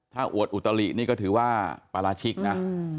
ถ้าอวดอุตลินี่ก็ถือว่าปราชิกนะ